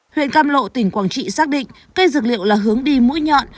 huyện cam lộ tỉnh quảng trị xác định cây dược liệu là hướng đi mũi nhọn